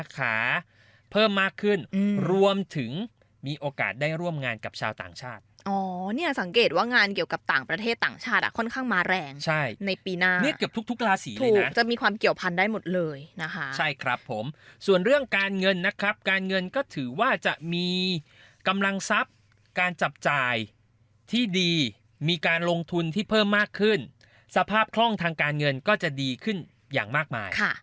คุณสังเกตว่างานเกี่ยวกับต่างประเทศต่างชาติอ่ะค่อนข้างมาแรงใช่ในปีหน้าเนี่ยเกือบทุกราศีเลยนะถูกจะมีความเกี่ยวพันธุ์ได้หมดเลยนะคะใช่ครับผมส่วนเรื่องการเงินนะครับการเงินก็ถือว่าจะมีกำลังทรัพย์การจับจ่ายที่ดีมีการลงทุนที่เพิ่มมากขึ้นสภาพคล่องทางการเงินก็จะดีขึ้นอย่างมากม